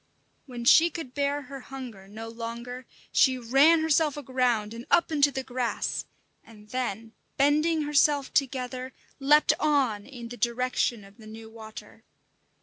When she could bear her hunger no longer, she ran herself aground and up into the grass, and then, bending herself together, leaped on in the direction of the new water.